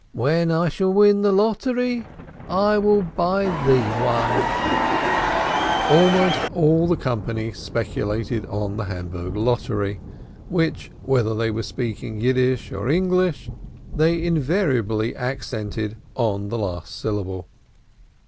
"When I shall win on the lottery, I will buy thee also a dolman." Almost all the company speculated on the Hamburg lottery, which, whether they were speaking Yiddish or English, they invariably accentuated on the last syllable.